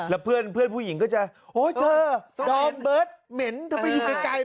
แล้วเพื่อนผู้หญิงก็จะโอ๊ยเธอดอมเบิร์ตเหม็นเธอไปอยู่ไกล